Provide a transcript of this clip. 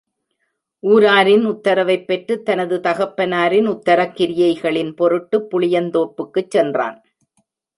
ஊராரின் உத்தரவைப் பெற்று, தனது தகப்பனாரின் உத்தரக்கிரியைகளின் பொருட்டு புளியந்தோப்புக்குச் சென்றான்.